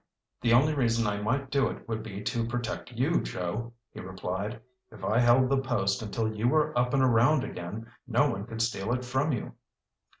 "The only reason I might do it would be to protect you, Joe," he replied. "If I held the post until you were up and around again, no one could steal it from you."